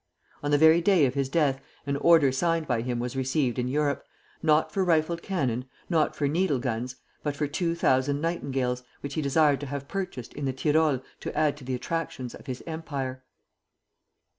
On the very day of his death an order signed by him was received in Europe, not for rifled cannon, not for needle guns, but for two thousand nightingales, which he desired to have purchased in the Tyrol to add to the attractions of his empire.